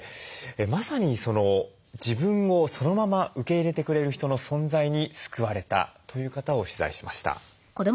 まさに自分をそのまま受け入れてくれる人の存在に救われたという方を取材しました。